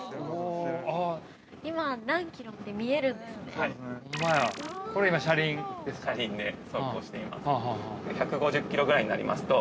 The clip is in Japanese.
◆今何キロって見えるんですね。